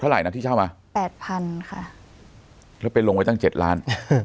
แล้วไปลงไปตั้ง๗ล้าน